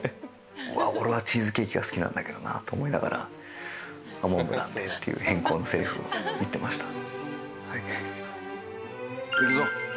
「うわっ俺はチーズケーキが好きなんだけどな」と思いながら「モンブランで」っていう変更のセリフを言ってました。